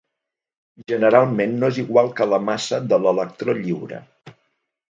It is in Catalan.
Generalment no és igual que la massa de l'electró lliure.